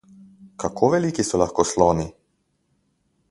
Kako veliki so lahko sloni?